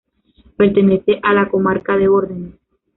Pertenece a la comarca de Órdenes.